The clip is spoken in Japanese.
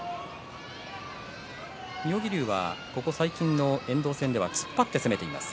妙義龍はここ最近の遠藤戦では突っ張って攻めています。